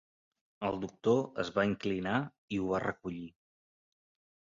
El doctor es va inclinar i ho va recollir.